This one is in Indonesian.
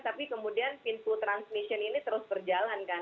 tapi kemudian pintu transmission ini terus berjalan kan